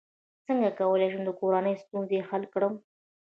څنګه کولی شم د کورنۍ ستونزې حل کړم